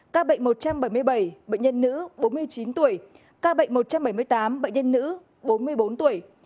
các bệnh một trăm bảy mươi bảy bệnh nhân nữ bốn mươi chín tuổi ca bệnh một trăm bảy mươi tám bệnh nhân nữ bốn mươi bốn tuổi